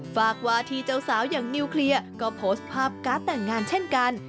ฝากวาทีเจ้าสาวอย่างนิวเคลียร์ก็โพสต์ภาพการ์ดแต่งงานเช่นกัน